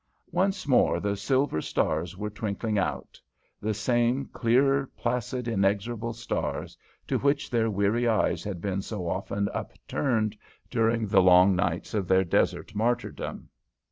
Once more the silver stars were twinkling out, the same clear, placid, inexorable stars to which their weary eyes had been so often upturned during the long nights of their desert martyrdom.